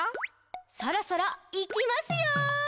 「そろそろ、いきますよ！」